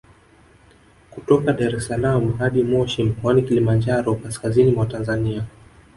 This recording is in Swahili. Kutoka Dar es salaam hadi Moshi mkoani Kilimanjaro kaskazini mwa Tanzania